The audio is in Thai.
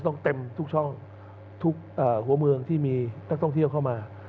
เต็มทุกช่องทุกหัวเมืองที่มีนักท่องเที่ยวเข้ามา